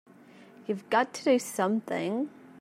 You've got to do something!